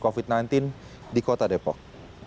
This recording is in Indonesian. covid sembilan belas di kota depok